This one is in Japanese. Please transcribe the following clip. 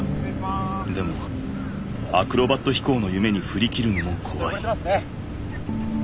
でもアクロバット飛行の夢にふりきるのも怖い。